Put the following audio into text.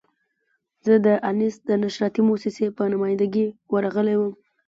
زه د انیس د نشراتي مؤسسې په نماینده ګي ورغلی وم.